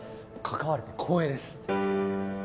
関われて光栄です。